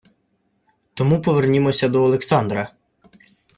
Тому повернімося до Олександра